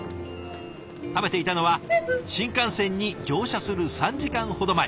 食べていたのは新幹線に乗車する３時間ほど前。